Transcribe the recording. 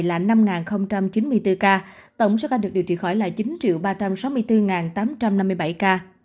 số bệnh nhân được công bố khỏi bệnh trong ngày là năm chín mươi bốn ca tổng số ca được điều trị khỏi là chín ba trăm sáu mươi bốn tám trăm năm mươi bảy ca